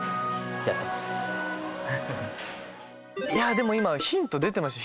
でも今ヒント出てました。